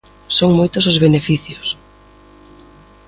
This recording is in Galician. Son moitos os beneficios.